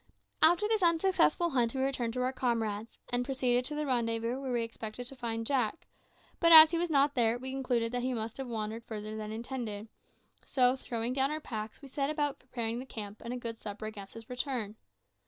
After this unsuccessful hunt we returned to our comrades, and proceeded to the rendezvous where we expected to find Jack; but as he was not there, we concluded that he must have wandered farther than he intended, so, throwing down our packs, we set about preparing the camp and a good supper against his return.